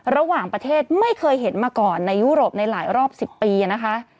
ระหว่างประเทศไม่เคยเห็นมาก่อนในยุโรปในหลายรอบ๑๐ปีนะคะ